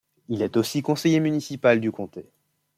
Il est aussi conseiller municipal du comté.